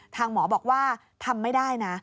หมอบอกว่าทำไม่ได้นะ